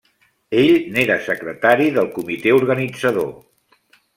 Ell n'era Secretari del comitè organitzador.